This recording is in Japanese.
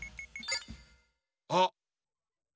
あっ！